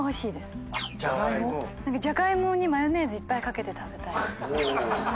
じゃがいもにマヨネーズいっぱい掛けて食べたい。